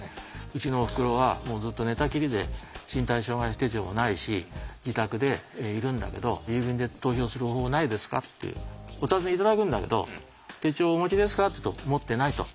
「うちのおふくろはずっと寝たきりで身体障害者手帳もないし自宅でいるんだけど郵便で投票する方法ないですか？」っていうお尋ね頂くんだけど「手帳お持ちですか」って言うと「持ってない」と。